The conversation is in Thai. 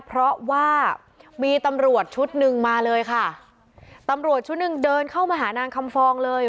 เพราะว่ามีตำรวจชุดหนึ่งมาเลยค่ะตำรวจชุดหนึ่งเดินเข้ามาหานางคำฟองเลย